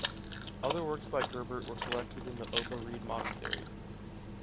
Other works by Gerbert were collected in the Oberried Monastery.